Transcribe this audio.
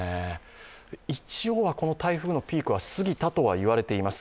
一応はこの台風のピークは過ぎたいわれています。